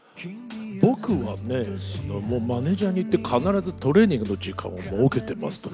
僕はね、マネージャーに言って、必ずトレーニングの時間をもうけてますと。